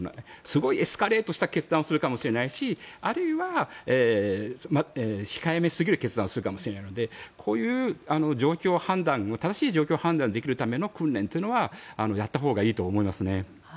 すごいエスカレートした決断をするかもしれないしあるいは、控えめすぎる決断をするかもしれないのでこういう状況判断正しい状況判断ができるための訓練はやったほうがいいと思いますね。